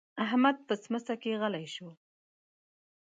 احمد په ښمڅه کې غلی شو.